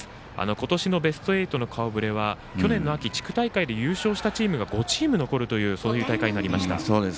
今年のベスト８の顔ぶれは去年の秋、地区大会で優勝したチームが５チーム残るそういう大会になりました。